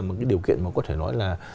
một cái điều kiện mà có thể nói là